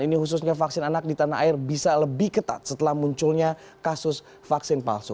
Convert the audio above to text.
ini khususnya vaksin anak di tanah air bisa lebih ketat setelah munculnya kasus vaksin palsu